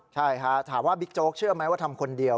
ใช่ค่ะถามว่าบิ๊กโจ๊กเชื่อไหมว่าทำคนเดียว